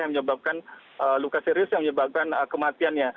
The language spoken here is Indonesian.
yang menyebabkan luka serius yang menyebabkan kematiannya